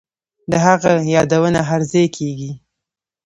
د هغه یادونه هرځای کیږي